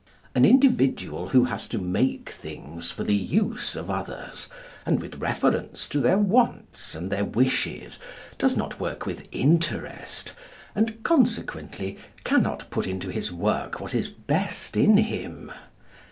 An individual who has to make things for the use of others, and with reference to their wants and their wishes, does not work with interest, and consequently cannot put into his work what is best in him.